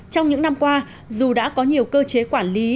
trong những năm qua dù đã có nhiều cơ chế quản lý